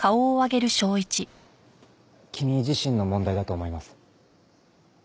君自身の問題だと思います。